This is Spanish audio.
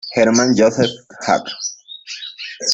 Hermann Josef Hack.